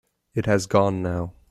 It has gone now.